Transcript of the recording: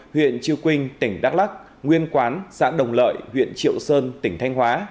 huyện triều quynh tỉnh đắk lắk nguyên quán xã đồng lợi huyện triệu sơn tỉnh thanh hóa